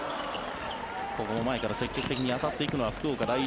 ここも前から積極的に当たっていくのは福岡第一。